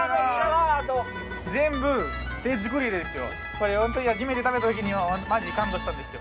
これ初めて食べたときにはマジ感動したんですよ。